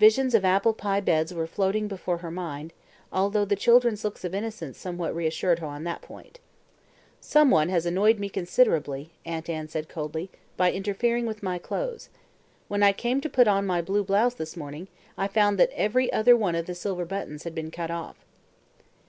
Visions of apple pie beds were floating before her mind, although the children's looks of innocence somewhat reassured her on that point. "Some one has annoyed me considerably," Aunt Anne said coldly, "by interfering with my clothes. When I came to put on my blue blouse this morning, I found that every other one of the silver buttons had been cut off."